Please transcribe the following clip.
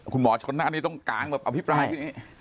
คุณหมอชนท่านต้องกางแบบอภิปรายข้างนี้